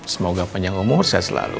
semoga panjang umur saya selalu